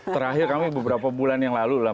terakhir kami beberapa bulan yang lalu lah